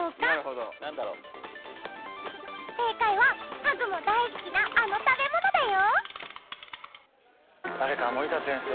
正解はハグも大好きなあの食べ物だよ。